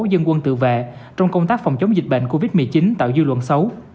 dân quân tự vệ trong công tác phòng chống dịch bệnh covid một mươi chín tạo dư luận xấu